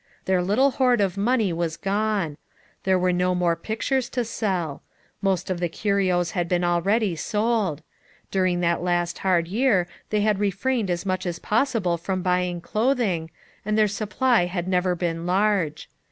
Their little hoard of money was gone; there 122 FOUR MOTHERS AT CHAUTAUQUA were no more pictures to sell; most of the curios had been already sold; during that last hard year they had refrained as much as pos sible from buying clothing, and their supply had never been large.